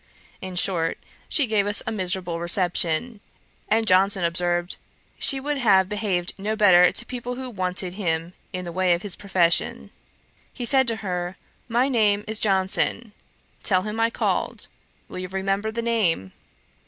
In short, she gave us a miserable reception; and Johnson observed, 'She would have behaved no better to people who wanted him in the way of his profession.' He said to her, 'My name is Johnson; tell him I called. Will you remember the name?'